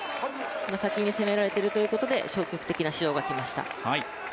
先に攻められているというところで、消極的な指導がきました。